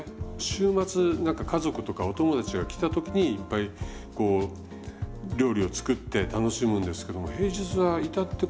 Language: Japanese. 週末なんか家族とかお友達が来た時にいっぱいこう料理を作って楽しむんですけども平日は至って